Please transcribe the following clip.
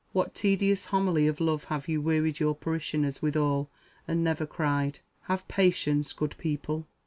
what tedious homily of love have you wearied your parishioners withal, and never cried, _Have patience, good people!"